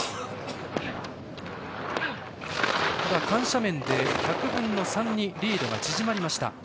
ただ緩斜面で１００分の３にリードが縮まりました。